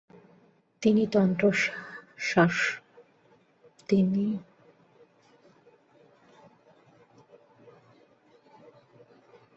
তিনি তন্ত্র শাস্ত্রকে দার্শনিক চিন্তার মাধ্যমে সার্বিকিকরণ করতে সচেষ্ট হন।